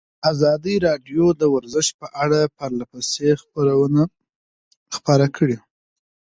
ازادي راډیو د ورزش په اړه پرله پسې خبرونه خپاره کړي.